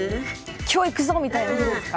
今日行くぞみたいな日ですか。